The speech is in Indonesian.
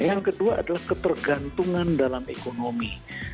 yang kedua adalah ketergantungan dalam ekonomi